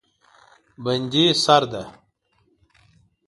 بندي سرده